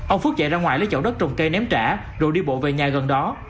ông phước chạy ra ngoài lấy chậu đất trồng cây ném trả rồi đi bộ về nhà gần đó